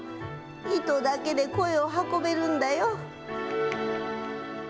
糸だけで声を運べるんだよ。